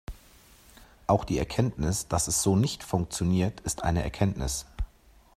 Auch die Erkenntnis, dass es so nicht funktioniert, ist eine Erkenntnis.